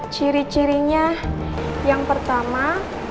ciri cirinya yang pertama